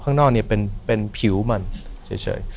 ข้างนอกเป็นผิวมันเฉย